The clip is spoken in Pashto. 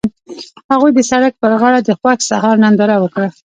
هغوی د سړک پر غاړه د خوښ سهار ننداره وکړه.